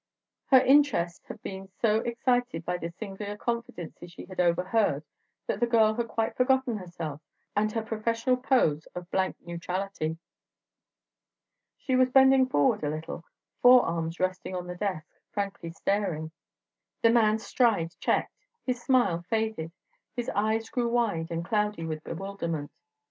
Her interest had been so excited by the singular confidences she had overheard that the girl had quite forgotten herself and her professional pose of blank neutrality. She was bending forward a little, forearms resting on the desk, frankly staring. The man's stride checked, his smile faded, his eyes grew wide and cloudy with bewilderment.